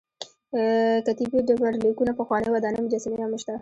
کتیبې ډبر لیکونه پخوانۍ ودانۍ مجسمې هم شته.